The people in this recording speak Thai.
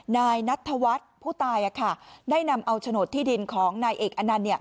นายนัทธวัฒน์ผู้ตายได้นำเอาโฉนดที่ดินของนายเอกอนันต์